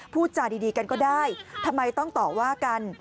พูดจาดีกันก็ได้ทำไมต้องต่อว่ากัน